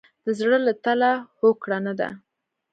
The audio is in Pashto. د زړه له تله هوکړه نه ده.